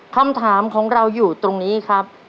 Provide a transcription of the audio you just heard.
คำถามของเราอยู่ตรงนี้ครับ